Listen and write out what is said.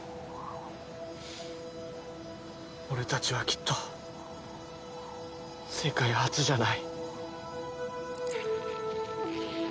俺たちはきっと世界初じゃない。